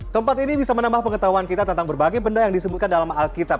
tempat ini bisa menambah pengetahuan kita tentang berbagai benda yang disebutkan dalam alkitab